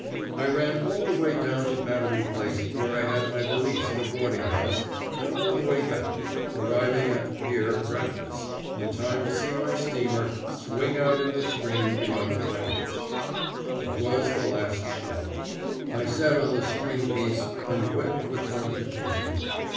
I ran all the way down to Battery Place, where I had my valise in a boarding house, and all the way back, arriving at the pier breathless, in time to see my steamer swing out in the stream beyond my reach. It was the last straw. I sat on the stringpiece and wept with mortification.